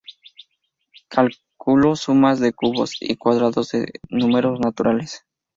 Calculó sumas de cubos y cuadrados de números naturales.